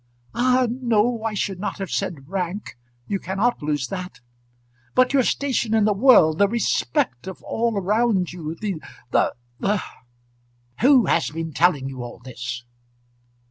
"Ah, no; I should not have said rank. You cannot lose that; but your station in the world, the respect of all around you, the the the " "Who has been telling you all this?"